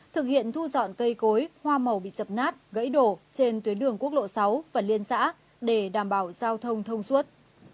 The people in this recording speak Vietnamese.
thực hiện thu dọn cây cối hoa màu bị sập nát gãy đổ trên tuyến đường quốc lộ sáu và liên xã để đảm bảo giao thông thông suốt